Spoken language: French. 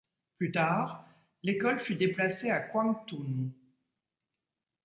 Plus tard, l'école fut déplacée à Kwang Tung.